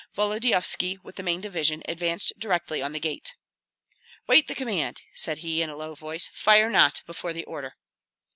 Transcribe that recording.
Volodyovski with the main division advanced directly on the gate. "Wait the command!" said he, in a low voice. "Fire not before the order."